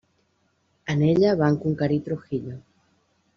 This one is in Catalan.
En ella van conquerir Trujillo.